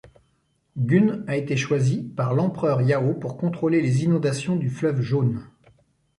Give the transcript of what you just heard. Gun a été choisi par l'empereur Yao pour contrôler les inondations du fleuve Jaune.